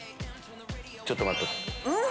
ちょっと待って。